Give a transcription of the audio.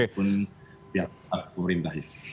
apapun biar tetap pemerintah ya